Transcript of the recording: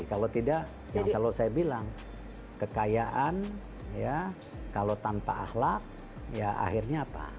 kalau tidak yang selalu saya bilang kekayaan ya kalau tanpa ahlak ya akhirnya apa